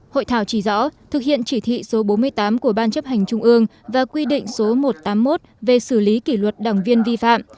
hội thảo chỉ rõ thực hiện chỉ thị số bốn mươi tám của ban chấp hành trung ương và quy định số một trăm tám mươi một về xử lý kỷ luật đảng viên vi phạm